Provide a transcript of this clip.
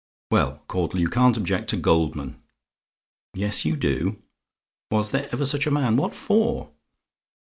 "Well, Caudle, you can't object to Goldman? "YES, YOU DO? "Was there ever such a man! What for?